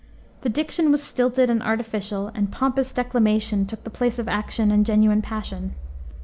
The diction was stilted and artificial, and pompous declamation took the place of action and genuine passion.